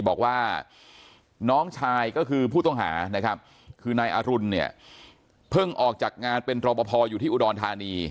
บอกว่าน้องชายก็คือผู้ต้องหาคือนายอรุณเพิ่งออกจากงานเป็นตรภพอยู่ที่อุดรธานี